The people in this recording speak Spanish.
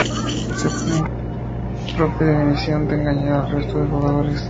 Se puede incluso votar la propia definición para engañar al resto de jugadores.